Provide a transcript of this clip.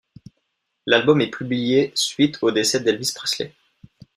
L'album est publié suite au décès d'Elvis Presley.